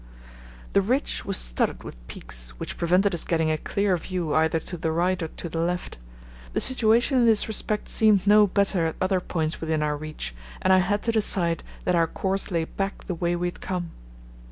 The ridge was studded with peaks, which prevented us getting a clear view either to the right or to the left. The situation in this respect seemed no better at other points within our reach, and I had to decide that our course lay back the way we had come.